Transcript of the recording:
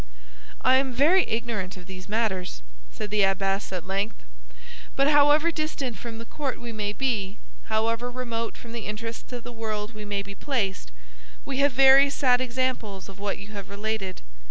"I am very ignorant of these matters," said the abbess, at length; "but however distant from the court we may be, however remote from the interests of the world we may be placed, we have very sad examples of what you have related.